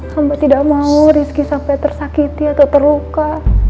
sampai tidak mau rizky sampai tersakiti atau terluka